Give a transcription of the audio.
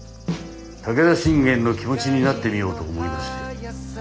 武田信玄の気持ちになってみようと思いまして。